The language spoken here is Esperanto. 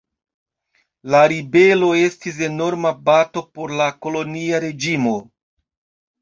La ribelo estis enorma bato por la kolonia reĝimo.